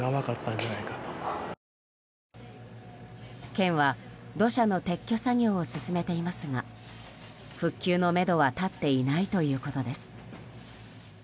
県は、土砂の撤去作業を進めていますが復旧のめどは立っていないということです。